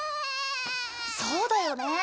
そうだよね。